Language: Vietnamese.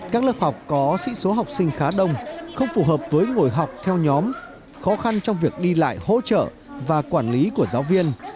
các lớp học có sĩ số học sinh khá đông không phù hợp với ngồi học theo nhóm khó khăn trong việc đi lại hỗ trợ và quản lý của giáo viên